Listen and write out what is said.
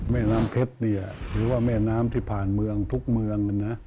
แม่น้ำเพชรเนี่ยหรือว่าแม่น้ำที่ผ่านเมืองทุกเมืองนะ